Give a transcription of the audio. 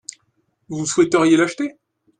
Vous souhaiteriez l'acheter ?